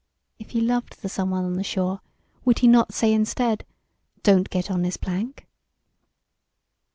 If he loved the someone on the shore, would he not say instead 'Don't get on this plank?'